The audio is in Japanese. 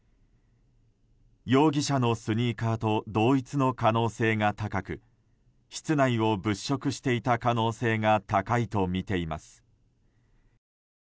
容疑者のスニーカーと同一の可能性が高く室内を物色していた可能性が高いとみています。